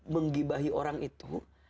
menggibahi orang itu